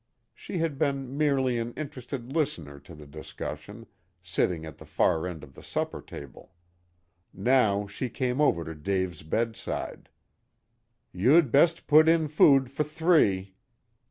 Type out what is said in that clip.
She had been merely an interested listener to the discussion, sitting at the far end of the supper table. Now she came over to Dave's bedside. "You'd best put in food for three."